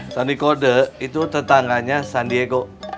sandi kode itu tetangganya sandiego